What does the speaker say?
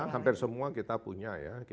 hampir semua kita punya ya